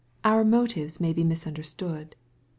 TOur moti ves may be misunderstood.